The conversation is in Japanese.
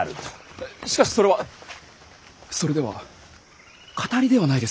しかしそれはそれではかたりではないですか。